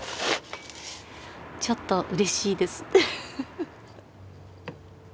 ちょっとうれしいです。